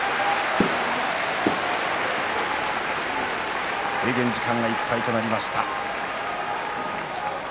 拍手制限時間いっぱいとなりました。